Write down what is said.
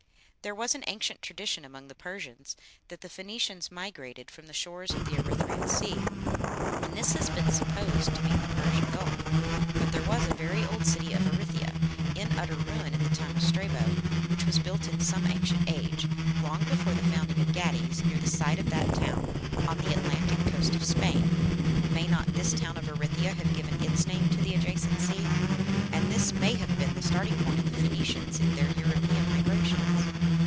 There was an ancient tradition among the Persians that the Phoenicians migrated from the shores of the Erythræan Sea, and this has been supposed to mean the Persian Gulf; but there was a very old city of Erythia, in utter ruin in the time of Strabo, which was built in some ancient age, long before the founding of Gades, near the site of that town, on the Atlantic coast of Spain. May not this town of Erythia have given its name to the adjacent sea? And this may have been the starting point of the Phoenicians in their European migrations.